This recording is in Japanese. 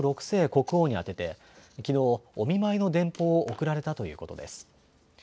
６世国王に宛ててきのう、お見舞いの電報を送られたということです。